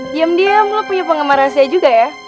diam diam lo punya penggemar rahasia juga ya